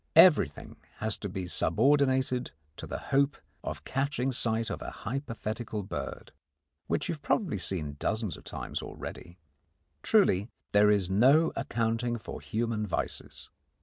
Everything has to be subordinated to the hope of catching sight of a hypothetical bird which you have probably seen dozens of times already. Truly, there is no accounting for human vices.